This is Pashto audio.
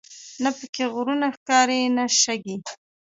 نه په کې غرونه ښکاري نه شګې.